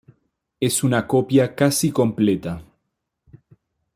Es una copia casi completa.